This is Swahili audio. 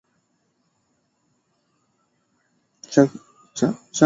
Changia sentensi